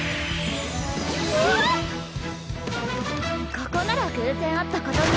ここなら偶然会ったことに。